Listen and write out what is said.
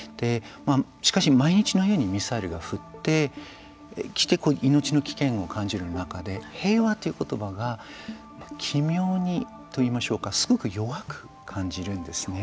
しかし、毎日のようにミサイルが降ってきて命の危険を感じる中で平和という言葉が奇妙にといいましょうかすごく弱く感じるんですね。